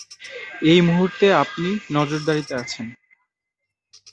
এই মুহুর্তে আপনি নজরদারিতে আছেন।